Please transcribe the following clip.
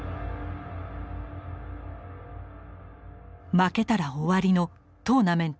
負けたら終わりのトーナメント初戦。